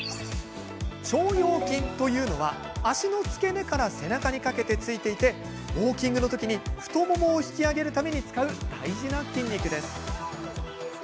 腸腰筋というのは足の付け根から背中にかけて、ついていてウォーキングの時太ももを引き上げるために使う大事な筋肉です。